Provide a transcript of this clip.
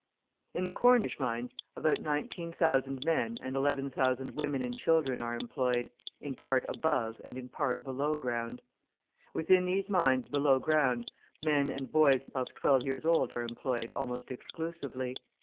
In the Cornish mines about 19,000 men, and 11,000 women and children are employed, in part above and in part below ground. Within the mines below ground, men and boys above twelve years old are employed almost exclusively.